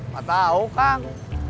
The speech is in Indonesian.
gak tau kang